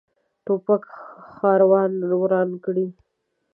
توپک ښارونه وران کړي.